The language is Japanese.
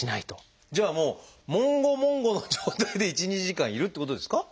じゃあもんごもんごの状態で１２時間いるってことですか？